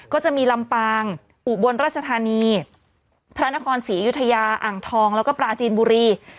ก็จะมีลำปางอุบลราชธานีพระนครศรีอยุธยาอ่างทองแล้วก็ปลาจีนบุรี